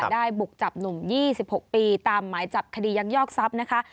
ได้บุกจับหนุ่ม๒๖ปีตามหมายจับคดียักยอกทรัพย์นะคะ